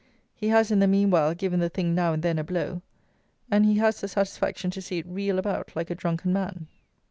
He has, in the meanwhile, given the thing now and then a blow; and he has the satisfaction to see it reel about like a drunken man.